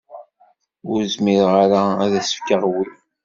Ur zmireɣ ara ad as-fkeɣ wi.